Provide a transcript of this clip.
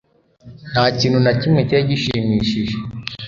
Ntakintu nakimwe cyari gishimishije